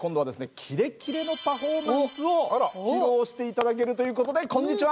キレッキレのパフォーマンスを披露して頂けるということでこんにちは！